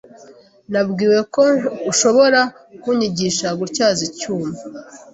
Nabwiwe ko ushobora kunyigisha gutyaza icyuma.